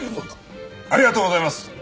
ありがとうございます！